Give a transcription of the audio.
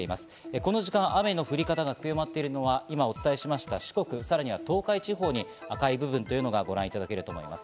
この時間、雨の降り方が強まっているのは今、お伝えしました四国、さらには東海地方に赤い部分がご覧いただけると思います。